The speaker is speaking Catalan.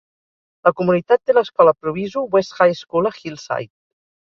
La comunitat té l"escola Proviso West High School a Hillside.